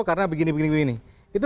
karena begini gini itu